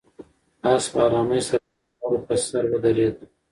آس په آرامۍ سره د خاورو په سر ودرېد.